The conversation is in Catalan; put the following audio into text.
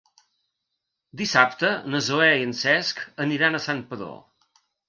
Dissabte na Zoè i en Cesc aniran a Santpedor.